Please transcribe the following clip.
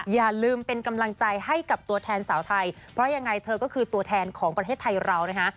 อย่าลืมเป็นกำลังใจให้กับตัวแทนสาวไทยเพราะยังไงเธอก็คือตัวแทนของประเทศไทยเรานะคะ